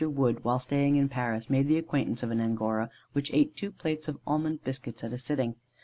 Wood, while staying in Paris, made the acquaintance of an Angora, which ate two plates of almond biscuits at a sitting.